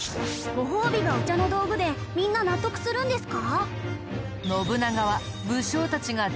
ご褒美がお茶の道具でみんな納得するんですか？